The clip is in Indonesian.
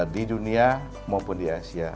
di dunia maupun di asia